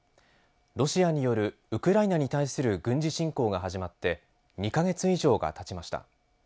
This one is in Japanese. ロシアによるウクライナに対する軍事侵攻が始まって２か月以上がたちました。